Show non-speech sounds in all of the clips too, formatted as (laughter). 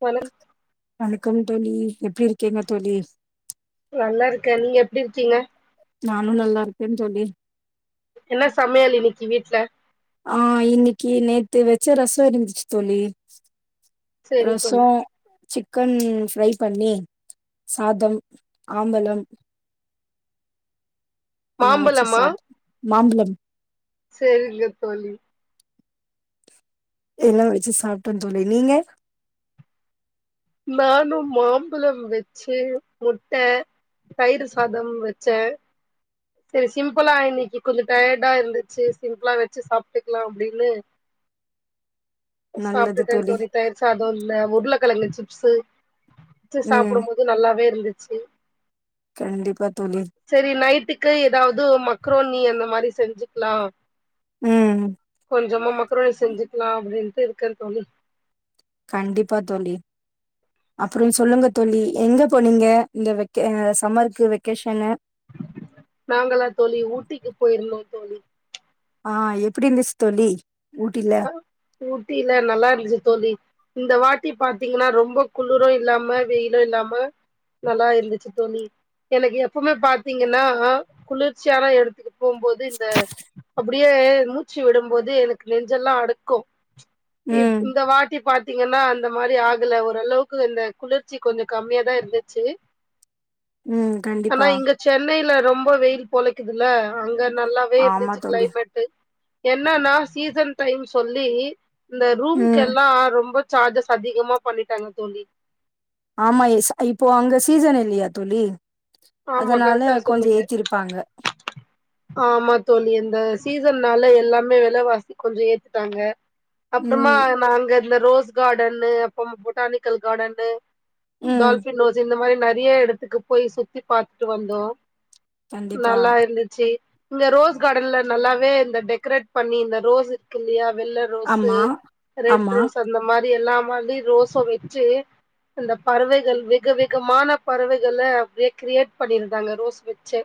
தோழி வணக்கம் தோழி எப்படி இருக்கீங்க தோழி நல்லா இருக்கேன் நீங்க எப்டி இருக்கீங்க நானும் நல்லா இருக்கேன் தோழி என்ன சமையல் இன்னிக்கு வீட்ல ஆ இன்னிக்கு நேத்து வச்ச ரசொ இருந்துச்சு தோழி சேரி தோழி ரசோ சிக்கன் ஃப்ரை பண்ணி சாதம் ஆம்பலம் நா வச்சு மாம்பழமா சாப் மாம்புழம் சேரிங்க தோழி எல்லாம் வச்சு சாப்டோ தோழி நீங்க நானும் மாம்பழம் வெச்சு முட்ட தயிர் சாதம் வச்சே சரி சிம்பிளா இன்னைக்கு கொஞ்சம் டயடா இருந்துச்சு சிம்பிளா வச்சு சாப்ட்டுக்கலாம் அப்படின்னு சாப்ட்டுட்டேன் தோழி தயிர் சாதம் இந்த உருளைக்கிழங்கு சிப்ஸு வச்சி ம் சாப்டும் போது நல்லாவே இருந்துச்சு கண்டிப்பா தோழி சேரி நைட்டுக்கு ஏதாவ்து மக்ரோனி அந்த மாரி செஞ்சுக்கலா ம் கொஞ்சமா மக்ரோணி செஞ்சுக்கலாம் அப்டின்ட்டு இருக்கேன் தோழி கண்டிப்பா தோழி அப்புறம் சொல்லுங்க தோழி எங்க போனீங்க இந்த வெக்க சம்மர்க்கு வெக்கேஷன் நாங்களா தோழி ஊட்டிக்கு போயிருந்தோம் தோழி ஆ எப்டி இருந்துச்சு தொழி அ ஊட்டில நல்லா இருந்துச்சு தோழி இந்த வாட்டி பாத்தீங்கன்னா ரொம்ப குளிரும் இல்லாம வெயிலும் இல்லாம நல்லா இருந்துச்சு தோழி எனக்கு எப்பவுமே பாத்தீங்கன்னா குளிர்ச்சியா தா இருக்கு போம்போது இந்த அப்டியே மூச்சு விடும்போது எனக்கு நெஞ்செல்லாம் அடுக்கும் இப் ம் இந்த வாட்டி பா த்தீங்கன்னா அந்த மாரி ஆகல ஓரளவுக்கு இந்த குளிர்ச்சி கொஞ்சம் கம்மியா தா இருந்துச்சு உம் ஆனா கண்டிப்பா இங்க சென்னையில ரொம்ப வெயில் பொழைக்குதுல்ல அங்க நல்லாவே ஆமா இருந்துச்சு தோழி கிளைமேட்டு என்னன்னா சீசன் டைம் சொல்லி இந்த ம் ரூம்கெல்லாம் ரொம்ப சார்ஜஸ் அதிகமா பண்ணிட்டாங்க தோழி ஆமா ஸ் இப்போ அங்க சீசன் இல்லையா தோழி ஆமா அதனால கரெக்டா கொஞ்ச சொன்னீங்க ஏத்திருப்பாங்க ஆமா தோழி இந்த சீசன்னால எல்லாமே விலவாசி கொஞ்சம் ஏத்திட்டாங்க அப்புறமா ம் நாங்க இந்த ரோஸ் காடன்னு அப்புறம் பொட்டானிக்கல் காடன்னு ம் டால்ஃபின் ஹவுஸ் இந்த மாரி நிறைய எடத்துக்கு போய் சுத்தி பாரத்துட்டு வந்தோம் கண்டிப்பா நல்லா இருந்துச்சு இங்க ரோஸ் காடன்ல நல்லாவே இந்த டெக்கரேட் பண்ணி இந்த ரோஸ் இருக்கு இல்லையா வெள்ள ரோஸு ஆமா ரெட் ஆமா ரோஸ் அந்த மாரி எல்லா வந்து ரோஸ வெச்சு இந்த பறவைகள் வெக வெகமான பறவைகள அப்டியே கிரியேட் பண்ணி இருந்தாங்க ரோஸ் வெச்சே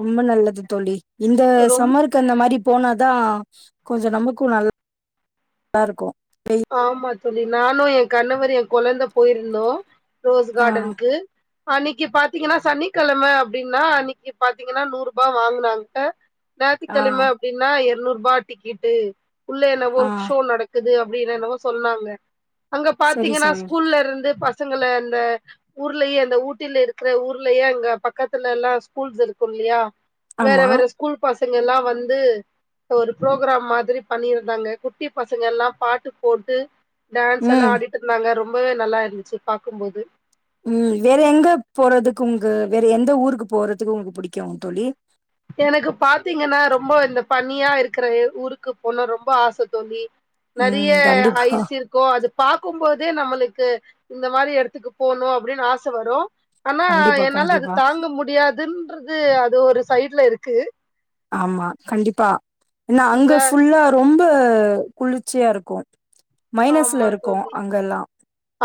ரொம்ப நல்லது தோழி இந்த ரொம் சம்மர் க்கு அந்த மாரி போனாதா கொஞ்ச நமக்கு நல் லா இருக்கு வெய் ஆமா தோழி நானு எ கணவர் எ கொழந்த போயிருந்தோ ரோஸ் ஆ கார்டன்க்கு அன்னிக்கு பாத்தீங்கன்னா சனிக்கெழம அப்டின்னா அன்னிக்கு பாத்தீங்கன்னா நூறு ரூபா வாங்குனாங்க ஞாயித்து ஆ கெழம அப்டின்னா எருநூருபா டிக்கெட்டு உள்ள என்னவோ ஆ ஷோ நடக்குது அப்டி என்னன்னவோ சொன்னாங்க அங்க சரி பாத்தீங்கன்னா சரி ஸ்கூல்ல இருந்து பசங்கள அந்த ஊர்லயே அந்த ஊட்டில இருக்குற ஊர்லயே அங்க பக்கத்துல எல்லா ஸ்கூல்ஸ் இருக்கு இல்லையா வேற ஆமா வேற ஸ்கூல் பசங்க எல்லா வந்து ஒரு ப்ரோக்கிராம் மாதிரி பண்ணியிருந்தாங்க குட்டி பசங்க எல்லா பாட் டு போட்டு டான்ஸ் எல்லா ம் ஆடிட்டு இருந்தாங்க ரொம்பவே நல்லா இருந்துச்சு பாக்கும்போது ம் வேற எங்க போறதுக்கு உங்க வேற எந்த ஊருக்கு போறதுக்கு உங்ககு புடிக்கு தோழி எனக்கு பாத்தீங்கன்னா ரொம்ப இந்த பணியா இருக்குற ஊருக்கு போனு ரொம்ப ஆச தோழி நெறைய ம் கண்டிப்பா ஐச் இருக் கு அது பாக்கும் போது நம்மளுக்கு இந்த மாரி எடத்துக்கு போணு அப்டின்னு ஆச வரு ஆனா கண்டிப்பா என்னால அது கண்டிப்பா தாங்க முடியாதுன்றது அது ஒரு சைட்ல இருக்கு ஆமா கண்டிப்பா ஏன்னா அங்க இந்த ஃபுல்லா ரொம்ப குளிர்ச்சியா இருக்கு மைனஸ்ல ஆமா இருக்கு தோழி அங்கெல்லா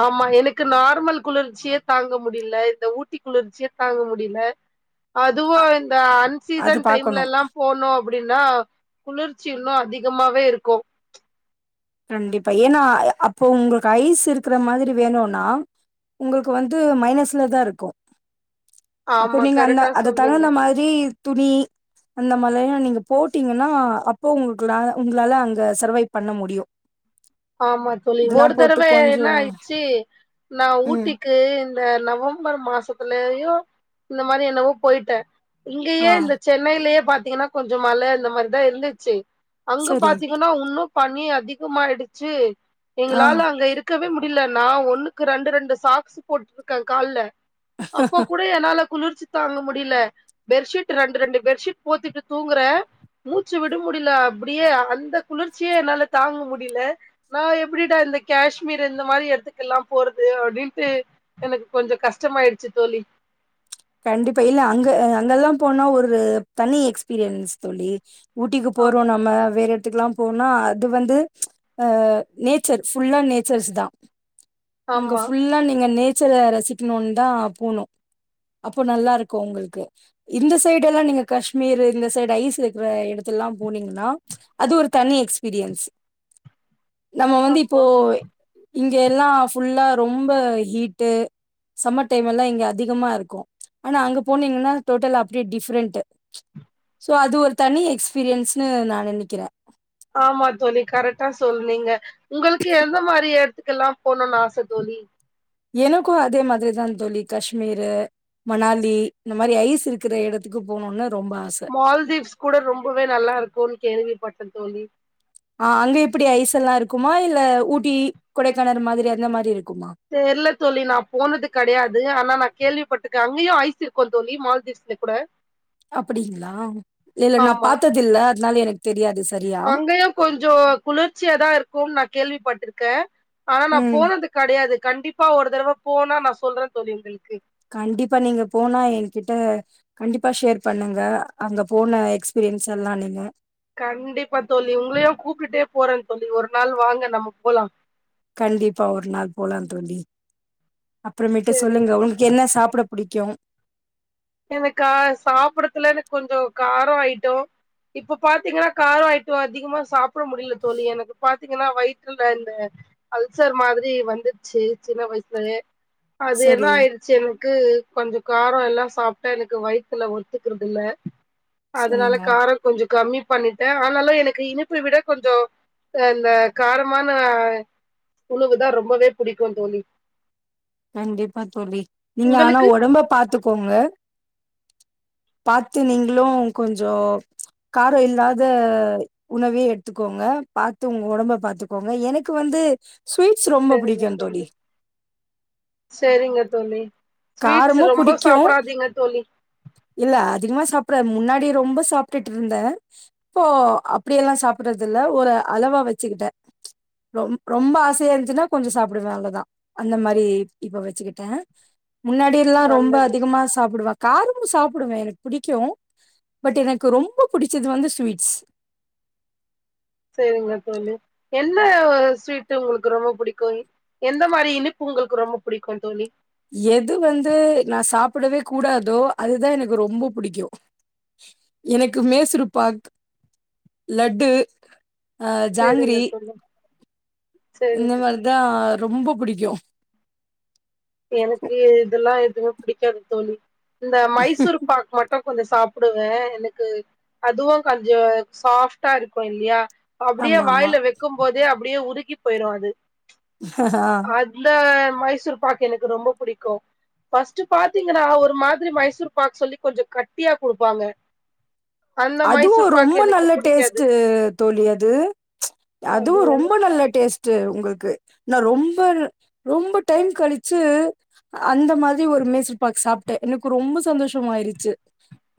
ஆமா எனக்கு நார்மல் குளிர்ச்சியே தாங்க முடியில இந்த ஊட்டி குளிர்ச்சியே தாங்க முடியில (inaudible) அதுவு அ இந்த அது அன்சீசன் பாக்கணு டைம்ல எல்லா போனோ அப்டின்னா குளிர்ச்சி இன்னு அதிகமாவே இருக்கு கண்டிப்பா ஏன்னா அ அப்போ உங்களுக்கு ஐஸ் இருக்குற மாரி வேணுனா உங்கக்கு வந்து மைனஸ்ல தா இருக்கு அப்ப ஆமா நீங்க அந்த கரெக்டா அத சொன்னீங்க தகுந்த மா ரி துணி அந்த மாலய்யா நீங்க போட்டீங்கன்னா அப்போ உங்களா உங்களால அங்க சர்வைவ் பண்ண முடியு (inaudible) ஆமா தோழி இதெல்லா ஒரு போட்டு தடவ என்ன கொஞ்சோ ஆய்ச்சு நா ம் ஊட்டிக்கு இந்த நவம்பர் மாசத்துலையோ இந்த மாரி என்னவோ போயிட்டே இங்கயே ஆ இந்த சென்னையிலயே பாத்தீங்கன்னா கொஞ்சொ மழ இந்த மாரிதா இருந்துச்சு அங்க சரி பாத்தீங்கன்னா உன்னு பண்ணி அதிகமாய்டுச்சு ஆ எங்களால அங்க இருக் கவே முடியில நா ஒண்ணுக்கு ரெண்டு ரெண்டு சாக்ஸ் போட்ருக்கே கால்ல அப்போ கூட என்னால குளிர்ச்சு தாங்க முடியில பெற்ஷீட் ரெண்டு ரெண்டு பெற்ஷீட் போத்திட்டு தூங்குறே மூச்சு விட முடியில அப்டியே அந்த குளிர்ச்சியே என்னால தாங்க முடியில நா எப்டிடா இந்த காஷ்மீர் இந்த மாரி எடத்துக்கெல்லா போறது அப்டின்ட்டு எனக்கு கொஞ்ச கஷ்டமாய்டுச்சு தோழி கண்டிப்பா இல்ல அங்க அங்கெல்லா போனா ஒரு தனி எக்ஸ்பீரியன்ஸ் தோழி ஊட்டிக்கு ஆமா போறோன்னா இல்ல வேற எடத்துக்குல்லா போனா அது வந்து அ நேச்சர் ஃபுல்லா நேச்சர்ஸ் தா அங்க ஆமா ஃபுல்லா நீங்க நேச்சர ரசிக்கணுன் தா போணு அப்போ நல்லா இருக்கு உங்களுக்கு இந்த சைட் எல்லா நீங்க காஷ்மீர் இந்த சைடு ஐஸ் இருக்குற எடத்துலல்லா போனீங்கன்னா அது ஒரு தனி எக்ஸ்பீரியன்ஸ் நம்ம வந்து இப்போ ஆமா இங்க எல்லா ஃபுல்லா ரொம்ப ஹீட்டு சம்மர் டைம் எல்லா இங்க அதிகமா இருக்கு ஆனா அங்க போனீங்கன்னா டோட்டலா அப்டியே டிஃப்ரெண்ட்டு சோ அது ஒரு தனி எக்ஸ்பீரியன்ஸ்ன்னு நா நெனைக்கிற ஆமா தோழி கரெக்டா சொன்னீங்க உங்களுக்கு எந்த மாரி எடத்துக்கெல்லா போகணுனு ஆச தோழி எனக்கு அதே மாதிரிதான் தோழி காஷ்மீரு மணாலி இந்த மாரி ஐஸ் இருக்கற எடத்துக்கு போகனுனு ரொம்ப ஆச மால்தீவ்ஸ் கூட ரொம்பவே நல்லா இருக்குனு கேள்விப்பட்டன் தோழி ஆ அங்க எப்டி ஐஸ் எல்லா இருக்குமா இல்ல ஊட்டி கொடைக்கானறு மாதிரி அந்த மாரி இருக்குமா தெரில தோழி நா போனது கெடையாது ஆனா நா கேள்விப்பட்டுக்க அங்கயு ஐஸ் இருக்கு தோழி மால்தீவ்ஸ்ல கூட அப்டிங்களா இல்ல நா ஆமா பாத்ததில்ல அதனால எனக்கு தெரியாது சரியா அங்கயு கொஞ்சோ குளிர்ச்சியாதா இருக்குன் நா கேள்விப்பட்டிருக்க ஆனா நா ம். போனது கெடையாது கண்டிப்பா ஒரு தரவ போனா நா சொல்றன் தோழி உங்களுக்கு கண்டிப்பா நீங்க போனா என்கிட்ட கண்டிப்பா ஷேர் பண்ணுங்க அங்க போன எக்ஸ்பீரியன்ஸ் எல்லா நீங்க கண்டிப்பா தோழி உங்களையு கூப்ட்டுட்டே போறேன் தோழி ஒரு நாள் வாங்க நம்ம போலா கண்டிப்பா ஒரு நாள் போலாந் தோழி அப்புறமேட்டு சேரிங்க சொல்லுங்க உங் என்ன சாப்ட புடிக்கு எனக்கா சாப்பிடதுல எனக்கு கொஞ்சோ காரோ அய்ட்டோ இப்ப பாத்தீங்கன்னா காரோ அய்ட்டோ அதிகமா சாப்ட முடில தோழி எனக்கு பாத்தீங்னா வயித்துல இந்த அல்சர் மாரி வந்திருச்சு சின்ன வயசுல அது என்ன சரி, ஆயிருச்சு எனக்கு கொஞ்சோ காரோ எல்லா சா ப்ட்டா எனக்கு வயித்துல ஒத்துக்கிறது இல்ல அதனால சரிங்க. காரோ கொஞ்சோ கம்மி பண்ணிட்ட ஆனாலு எனக்கு இனிப்ப விட கொஞ்சோ அ இந்த காரமான உணவுதா ரொம்பவே புடிக்குந் தோழி கண்டிப்பா தோழி நீங்க ஆனா உங்களுக்கு ஒடம்ப பாத்துக்கோங்க பாத்து நீங்களு கொஞ்சோ காரோ இல்லாத உணவே எடுத்துக்கோங்க பாத்து உங்க ஒடம்ப பாத்துக்கோங்க எனக்கு வந்து சுவீட்ஸ் ரொ சேரிங்க தோழி சேரிங்க தோழி ஸ்வீட்ஸ் காரமு ரொம்ப புடிக்கு சாப்டாதீங்க தோழி இல்ல அதிகமா சாப்பற முன்னாடி ரொம்ப சாப்ட்டுட்டு இருந்த இப்போ அப்டியெல்லா சாப்பறது இல்ல ஒரு அளவா வெச்சுக்கிட்ட ரொம் ரொம்ப ஆசையா இருந்துச்சுனா கொஞ்சோ சாப்டுவ அவ்ளதா அந்த மாரி இப்ப வெச்சுக்கிட்ட முன்னாடி எல்லா ரொம்ப நல்லது அதிகமா சாப்டுவா காரமு சாப்டுவேன் எனக்கு புடிக்கு பட் எனக்கு ரொம்ப புடிச்சது வந்து ஸ்வீட்ஸ் சேரிங்க தோழி என்ன ஸ்வீட் உங்களுக்கு ரொம்ப புடிக்கு எந்த மாரி இனிப்பு உங்களுக்கு ரொம்ப புடிக்குந்தோழி எது வந்து நா சாப்டவே கூடாதோ அதுதா எனக்கு ரொம்ப புடிக்கு எனக்கு மேசுருபாக், லட்டு ஆ ஜாங்ரி சரிங்க தோழி இந்த சரிங்க மாரிதா ரொம்ப புடிக்கு எனக்கு இதெல்லா எதுமே புடிக்காது தோழி இந்த மைசூர்பாக் மட்டு கொஞ்சொ சாப்டுவே எனக்கு அதுவொ கொஞ்சொ சாஃப்ட்டா இருக்கு இல்லையா அப்டியே ஆமாமா. வாய்ல வெக்கும் போதே அப்டியே உருகி போய்ரு அது அ இந்த மைசூர்பாக் எனக்கு ரொம்ப புடிக்கு பர்ஸ்ட்டு பாத்திங்கன்னா ஒரு மாதிரி மைசூர் பாக் சொல்லி கொஞ்சொ கட்டியா குடுப்பாங்க அந்த அதுவு மைசூர் பாக் ரொம்ப எனக்கு நல்ல புடிக்காது டேஸ்ட்டு தோழி அது அது அதுவு ரொம்ப எனக்கு நல்ல டேஸ்ட் டு உங்களுக்கு ந ரொம்ப ரொம்ப டைம் கழுச்சு அந்த மாத்ரி ஒரு மெசூர்பாக் சாப்ட்டே எனக்கு ரொம்ப சந்தோஷொம் ஆய்ருச்சு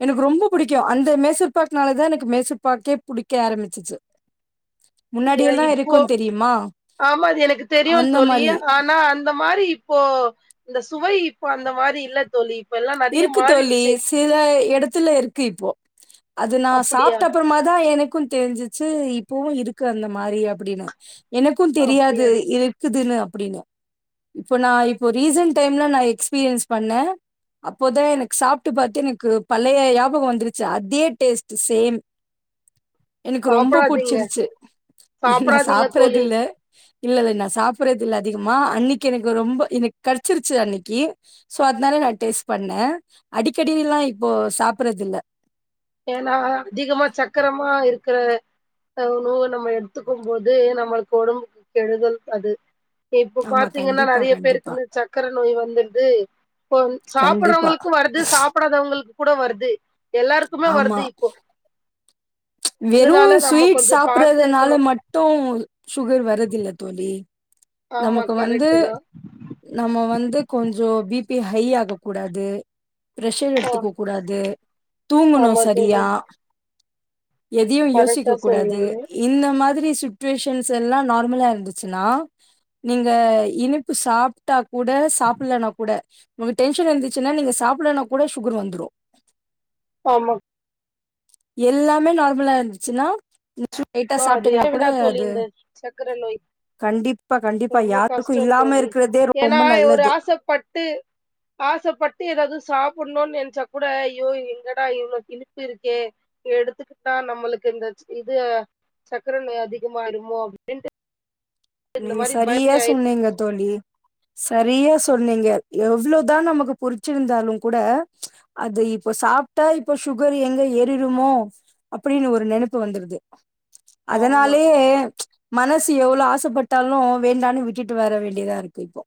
எனக்கு ரொம்ப புடிக்கு அந்த மெசூர்பாக்னால தா எனக்கு மெசூர்பாக்கே புடிக்க ஆரம்பிச்சுச்சு முன்னாடி ஏ எல்லா இப்போ இருக்கு தெரியுமா ஆமா அது எனக்கு தெரியு அந்த தோழி மாரி ஆனா அந்த மாரி இப்போ இந்த சுவை இப்போ அந்த மாரி இல்ல தோழி எல்லா நெறைய இருக்கு தோழி மாறிச்சு சில எடத்துல இருக்கு இப்போ அது நா அப்படியா சாப்ட்ட அப்பறமா தா எனக்கு தெரிஞ்சுச்சு இப்பவு இருக்கு அந்த மாரி அப்டின்னு எனக்கு தெரியாது அப்படியா இ க்குதுன்னு அப்டினு இப்போ நா இப்போ ரீசன்ட் டைம்ல நா எக்ஸ்பீரியன்ஸ் பண்ணே அப்போதா எனக்கு சாப்ட்டு பாத்து எனக்கு பழைய யாபக வந்துருச்சு அதே டேஸ்ட்டு சேம் எனக்கு ரொம்ப சாப்பிடாதீங்க புட்ச்சுருச்சு நா சாப்பிடாதீங்க சாப்ட்றத் தோழி இல்ல இல்ல இல்ல நா சாப்புட்றத் இல்ல அதிகமா அன்னக்கி எனக்கு ரொம்ப எனக் கட்ச்சிருச்சு அன்னக்கி சோ அத்னால நா டேஸ்ட் பண்ணே அடிக்கடில்லா இப்போ சாப்புட்றது இல்ல ஏன்னா அதிகமா சக்கரமா இருக்குற உணவு நம்ம எடுத்துக்கும் போது நம்மளுக்கு ஒடம்புக்கு கெடுதல் அது இப்பொ ஆமா. பாத்திங்கன்னா கண்டிப்பா, நெறைய பேருக்கு கண்டிப்பா. இந்த சக்கர நோய் வந்துடுது இப்பொ கண்டிப்பா. சாப்பட்றவங்களுக்கு வருது சாப்புடாதவங்களுக்கு கூட வருது எல்லாரு க்குமே வருது இப்போ வெறு இதனால நம்ம ஸ்வீட் கொஞ்சம் பார்த்து சாப்புட்றதுனால இருக்கணும் மட்டு சுகர் வரதில்ல தோழி ஆமா நமக்கு வந்து கரெக்ட் தான் நம்ம வந்து கொஞ்சொ பி பி ஹை ஆக்க கூடாது ப்ரெஷெர் ஆ, எடுத்துக்க கூடாது தூங்கணு ஆமா சரியா தோழி எதையு யோசிக்க கரெக்டா கூடாது சொன்னீங்க இந்த மாதிரி சுட்வேஷன்ஸ் எல்லா நார்மலா இருந்துச்சுனா நீங்க இனிப்பு சாப்ட்டா கூட சாப்ட்லனா கூட உங்க டென்ஷனா இருந்துச்சுன்னா நீங்க சாப்ட்லனா கொட சுகர் வந்துரு ஆமாம் எல்லாமே நார்மலா இருந்துச்சுன்னா லைட்டா அது சாப்ட்டிங்கன்னா ஏன் கூட வேண்டாம் தோழி அது இந்த சக்கரை நோய் கண்டிப்பா கண்டிப்பா ரொம்ப யாருக்கு கஷ்டோ இல்லாம இருக்றதே ரொம்ப நல்லது ச பட்டு ஆசப்பட்டு எதாது சாப்புட்ணு நென்ச்சா கூட அயோ என்னடா இவ்ளோ இனிப்பு இருக்கே எடுத்துக்கிட்டா நம்மளுக்கு இந்த இது சக்கர நோய் அதிகமாயிருமோ அப்டின்ட்டு நீங்க சரியா ஆயிருக்கு சொன்னீங்க தோழி சரியா சொன்னீங்க எவ்ளோதா நமக்கு புருச்சருந்தாலு கூட அத இப்ப சாப்ட்டா இப்ப சுகர் எங்க ஏரிருமோ அப்டின்னு ஒரு நெனப்பு வந்துருது ஆமா அதனாலேயே மனசு எவ்ளொ ஆசப்பட் டாலு வேண்டானு விட்டுட்டு வர வேண்டியதா இருக்கு இப்போ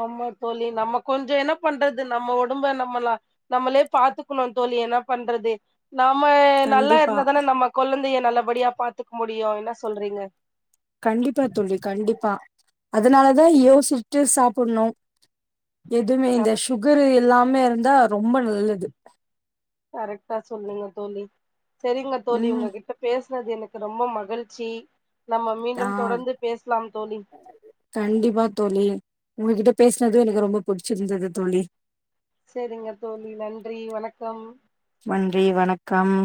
ஆமா தோழி நம்ம கொஞ்ச என்ன பண்றது நம்ம உடம்ப நம்மள நம்மளே பாத்துக்கணு தோழி என்ன பண்றது நாம்ம நல்லா கண்டிப்பா. இருந்தா தானே நம்ம கொழந்தைய நல்லபடியா பாத்துக்க முடியு என்ன சொல்றீங்க கண்டிப்பா தோழி கண்டிப்பா அதுனாலதா யோசிஸ்ட்டு சாப்பிட்ணு எதுமே இந்த கரெக்ட் சுகரு எல்லாமே இருந்தா ரொம்ப நல்லது கரெக்டா சொன்னீங்க தோழி சரிங்க தோழி ம் உங்ககிட்ட பேசுனது எனக்கு ரொம்ப மகிழ்ச்சி நம்ம ஆ மீண்டும் தொடர்ந்து பேசலாம் தோழி கண்டிப்பா தோழி உங்ககிட்ட பேசுனதே எனக்கு ரொம்ப புடிச்சிருந்தது தோழி செரிங்க தோழி நன்றி வணக்கம் நன்றி வணக்கம்